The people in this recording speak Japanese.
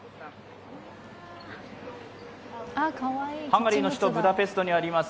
ハンガリーの首都、ブダペストにあります